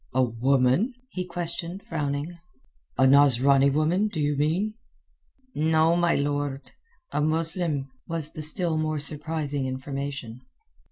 "A woman?" he questioned, frowning. "A Nasrani woman, do you mean?" "No, my lord. A Muslim," was the still more surprising information.